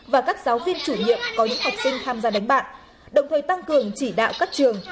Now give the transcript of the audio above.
và các giáo viên chủ nhiệm có những học sinh tham gia đánh bạc đồng thời tăng cường chỉ đạo các trường